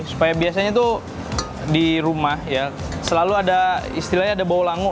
supaya biasanya tuh di rumah ya selalu ada istilahnya ada bau langu